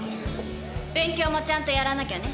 勉強もちゃんとやらなきゃね進藤君。